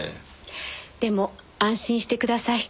でも安心してください。